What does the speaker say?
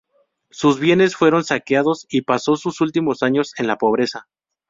Sus bienes fueron saqueados, y pasó sus últimos años en la pobreza.